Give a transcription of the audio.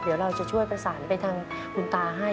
เดี๋ยวเราจะช่วยประสานไปทางคุณตาให้